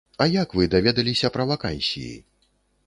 А як вы даведаліся пра вакансіі?